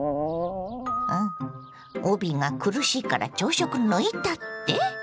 帯が苦しいから朝食抜いたって？